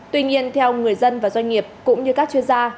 tuy nhiên theo người dân và doanh nghiệp cũng như các chuyên gia